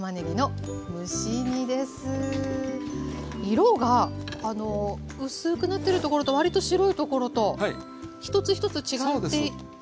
色があの薄くなってるところと割と白いところと一つ一つ違っているんですね。